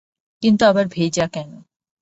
কিন্তু, আবার ভেজা কেন?